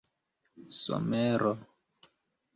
somero